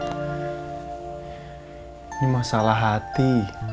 ini masalah hati